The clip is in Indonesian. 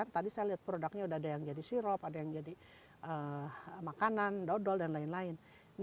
tadi saya lihat produknya sudah ada yang jadi sirop ada yang jadi makanan dodol dan lain lain